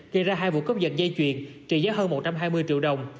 gây ra hai vụ cướp giật dây chuyền trị giá hơn một trăm hai mươi triệu đồng